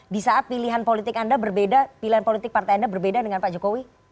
di saat pilihan politik anda berbeda pilihan politik partai anda berbeda dengan pak jokowi